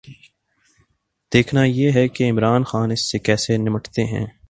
دیکھنا یہ ہے کہ عمران خان اس سے کیسے نمٹتے ہیں۔